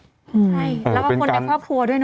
ใช่แล้วก็คนในครอบครัวด้วยนะ